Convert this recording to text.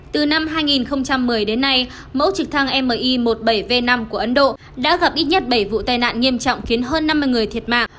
từ năm hai nghìn một mươi đến nay mẫu trực thăng mi một mươi bảy v năm của ấn độ đã gặp ít nhất bảy vụ tai nạn nghiêm trọng khiến hơn năm mươi người thiệt mạng